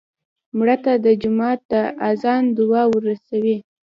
مړه ته د جومات د اذان دعا ورسوې